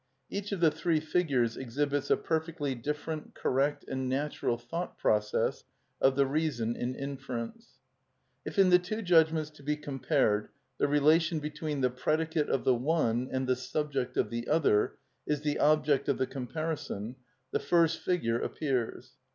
Each of the three figures exhibits a perfectly different, correct, and natural thought process of the reason in inference. If in the two judgments to be compared the relation between the predicate of the one and the subject of the other is the object of the comparison, the first figure appears.